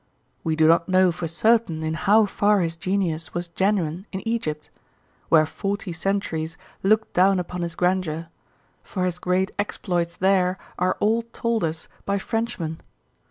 We do not know for certain in how far his genius was genuine in Egypt—where forty centuries looked down upon his grandeur—for his great exploits there are all told us by Frenchmen.